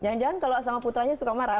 jangan jangan kalau sama putranya suka marah